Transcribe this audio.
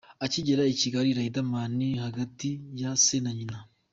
Akigera i Kigali, Riderman hagati ya Se na Nyina.